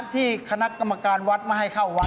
ที่คณะกรรมการวัดไม่ให้เข้าวัด